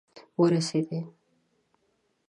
ورسیدي